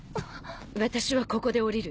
私はここでおりる。